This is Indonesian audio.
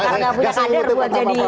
karena nggak punya kader buat jadi capres